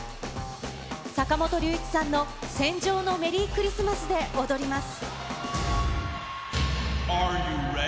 坂本龍一さんの戦場のメリークリスマスで踊ります。